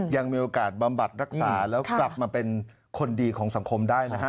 ยังมีโอกาสบำบัดรักษาแล้วกลับมาเป็นคนดีของสังคมได้นะฮะ